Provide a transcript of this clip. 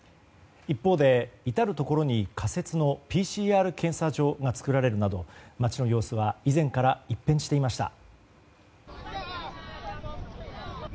一方で至るところに仮設のＰＣＲ検査場が作られるなど街の様子は以前から一変していました。